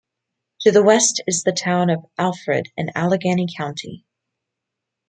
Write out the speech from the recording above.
To the west is the Town of Alfred in Allegany County.